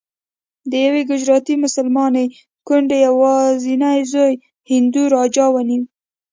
د یوې ګجراتي مسلمانې کونډې یوازینی زوی هندو راجا ونیو.